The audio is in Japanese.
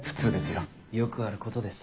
よくあることです